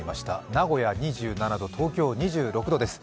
名古屋２７度、東京２６度です。